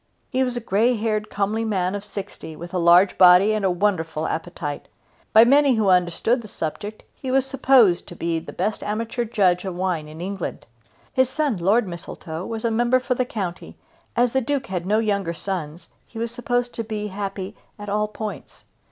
He was a grey haired comely man of sixty, with a large body and a wonderful appetite. By many who understood the subject he was supposed to be the best amateur judge of wine in England. His son Lord Mistletoe was member for the county and as the Duke had no younger sons he was supposed to be happy at all points.